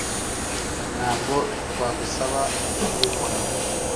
Ntabwo twagusaba kubikora